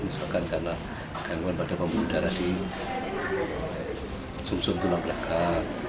misalkan karena gangguan pada pembuluh darah di sum sum tulang belakang